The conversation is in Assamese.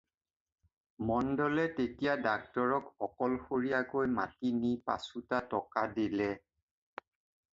মণ্ডলে তেতিয়া ডাক্তৰক অকলশৰীয়াকৈ মাতি নি পাঁচোটা টকা দিলে।